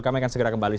kami akan segera kembali